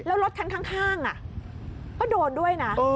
แล้วรถข้างอ่ะก็โดนด้วยนะ